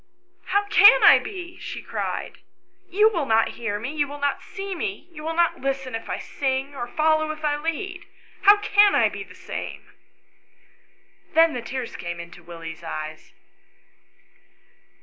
" How can I be?" she cried. "You will not hear rne, you will not see me, you will not listen if I sing, or follow if I lead. How can I be the same V Then the tears came into Willie's eyes.